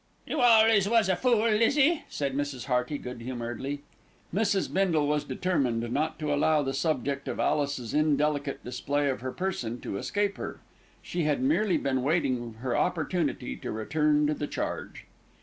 "You always was a fool, Lizzie," said Mrs. Hearty good humouredly. Mrs. Bindle was determined not to allow the subject of Alice's indelicate display of her person to escape her. She had merely been waiting her opportunity to return to the charge.